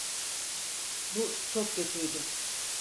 Bu çok kötüydü.